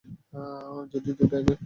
যদিও দুটো একই।